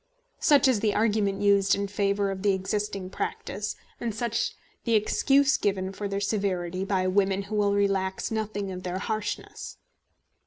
Such is the argument used in favour of the existing practice, and such the excuse given for their severity by women who will relax nothing of their harshness.